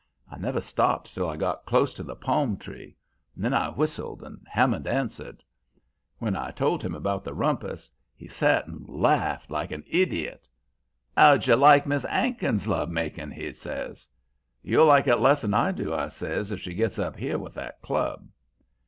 I never stopped till I got close to the palm tree. Then I whistled and Hammond answered. "When I told him about the rumpus, he set and laughed like an idiot. "''Ow d'you like Miss 'Ankin's love making?' he says. "'You'll like it less'n I do,' I says, 'if she gets up here with that club!'